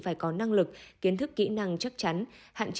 phải có năng lực kiến thức kỹ năng chắc chắn